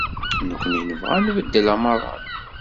Nekkni nebɣa ad nbeddel amaḍal.